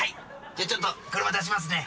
じゃちょっと車出しますね。